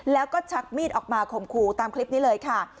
แล้วก็ชักมีดออกมาข่มขู่ตามคลิปนี้เลยค่ะ